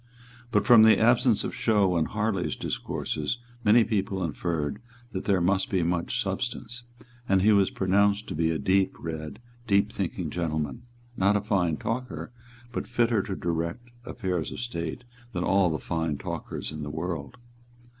But from the absence of show in Harley's discourses many people inferred that there must be much substance; and he was pronounced to be a deep read, deep thinking gentleman, not a fine talker, but fitter to direct affairs of state than all the fine talkers in the world.